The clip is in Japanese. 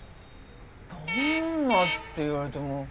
どんなって言われても。